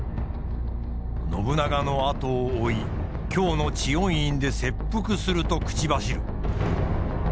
信長のあとを追い京の知恩院で切腹すると口走る。